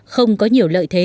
không có nhiều lợi thế